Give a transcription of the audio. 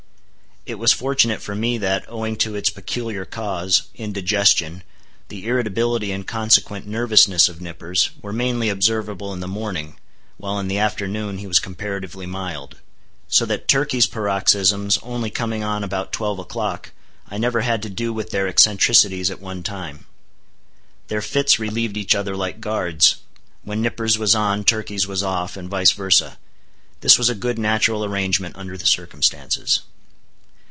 It was fortunate for me that, owing to its peculiar cause—indigestion—the irritability and consequent nervousness of Nippers, were mainly observable in the morning, while in the afternoon he was comparatively mild. So that Turkey's paroxysms only coming on about twelve o'clock, I never had to do with their eccentricities at one time. Their fits relieved each other like guards. When Nippers' was on, Turkey's was off; and vice versa. This was a good natural arrangement under the circumstances.